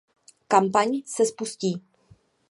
Kampaň se spustí.